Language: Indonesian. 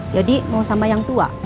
jadi mau sama yang tua